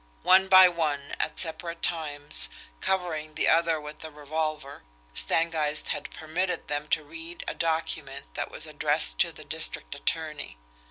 One by one, at separate times, covering the other with a revolver, Stangeist had permitted them to read a document that was addressed to the district attorney.